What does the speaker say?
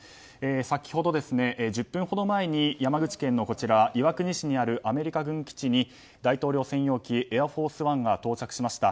先ほど１０分ほど前に山口県岩国市にあるアメリカ軍基地に大統領専用機「エアフォースワン」が到着しました。